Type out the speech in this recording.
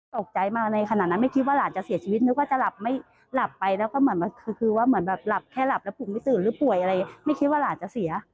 ตกใจมากในขณะนั้นไม่คิดว่าหลานจะเสียชีวิตนึกว่าจะหลับไม่หลับไปแล้วก็เหมือนคือว่าเหมือนแบบหลับแค่หลับแล้วปลูกไม่ตื่นหรือป่วยอะไรไม่คิดว่าหลานจะเสีย